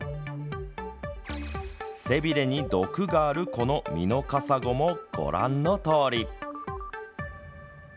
背びれに毒があるこのミノカサゴもご覧のとおり。